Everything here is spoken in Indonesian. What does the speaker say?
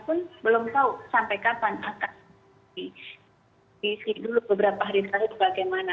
di situ dulu beberapa hari lalu bagaimana